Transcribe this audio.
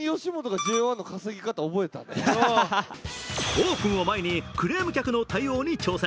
オープンを前にクレーム客の対応に挑戦。